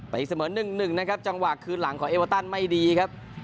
อีกเสมอ๑๑นะครับจังหวะคืนหลังของเอเวอร์ตันไม่ดีครับ